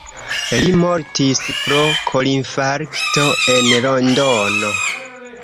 Li mortis pro korinfarkto en Londono.